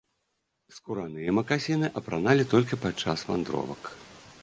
Скураныя макасіны апраналі толькі падчас вандровак.